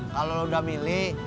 kalau lo udah milih